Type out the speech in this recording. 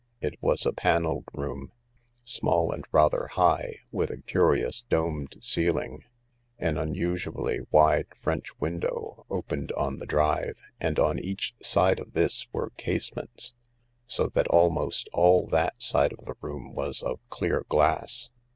It was a panelled room, small and rather high, with a curious domed ceiling. An unusually wide French window opened on the drive, and on each side of this were casements, so that almost all that side of the room was of clear glass.